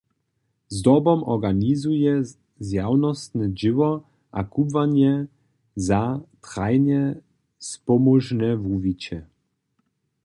Zdobom organizuje zjawnostne dźěło a kubłanje za trajnje spomóžne wuwiće.